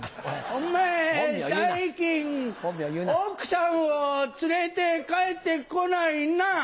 お前最近奥さんを連れて帰ってこないな。